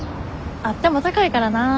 あっても高いからなあ。